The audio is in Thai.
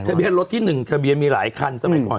เบียนรถที่๑ทะเบียนมีหลายคันสมัยก่อน